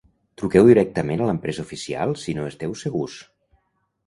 Truqueu directament a l'empresa oficial si no esteu segurs.